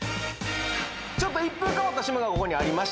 ちょっと一風変わった島がここにありました